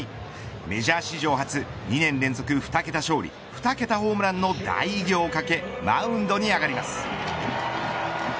メジャー史上初２年連続２桁勝利２桁ホームランの大偉業をかけマウンドに上がります。